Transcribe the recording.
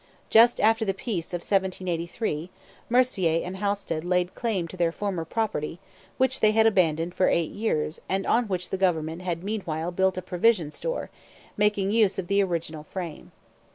Just after the peace of 1783 Mercier and Halsted laid claim to their former property, which they had abandoned for eight years and on which the government had meanwhile built a provision store, making use of the original frame.